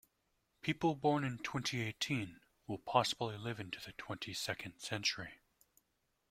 People born in twenty-eighteen will possibly live into the twenty-second century.